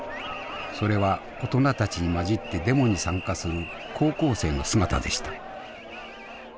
それは大人たちに交じってデモに参加する高校生の姿でした。